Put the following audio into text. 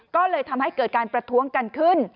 ก็เลยทำให้เกิดการประท้วงกันขึ้น